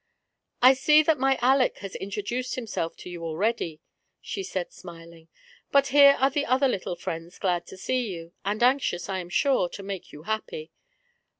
" I see that my AJeck has iatroduced himself to you already," said she, smiling, "but here are other little fiiends glad to see you, and anxious, I am sure, to make you happy.